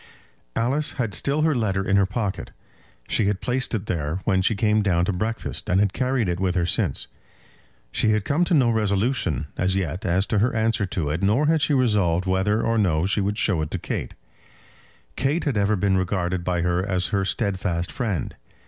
Alice had still her letter in her pocket. She had placed it there when she came down to breakfast, and had carried it with her since. She had come to no resolution as yet as to her answer to it, nor had she resolved whether or no she would show it to Kate. Kate had ever been regarded by her as her steadfast friend.